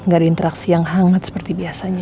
gak ada interaksi yang hangat seperti biasanya